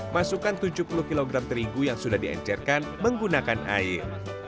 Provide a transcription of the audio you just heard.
masukkan tujuh puluh kg terigu yang sudah diencerkan menggunakan air